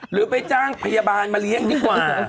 หรือไปจ้างพยาบาลมาเลี้ยงดีกว่า